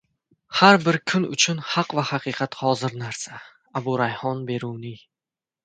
Har bir kun uchun haq va haqiqat hozir narsa. Abu Rayhon Beruniy